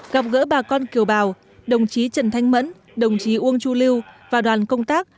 gặp gỡ bà con kiều bào đồng chí trần thanh mẫn đồng chí uông chu lưu và đoàn công tác